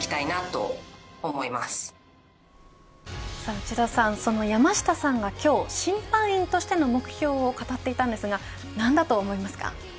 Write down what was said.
内田さん、その山下さんが今日審判員としての目標を語っていたんですが何だと思いますか。